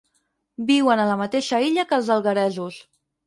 Viuen a la mateixa illa que els algueresos.